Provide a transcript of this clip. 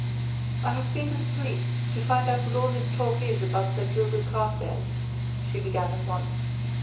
"I have been to the police, to find out what all this talk is about Sir Gilbert Carstairs," she began at once.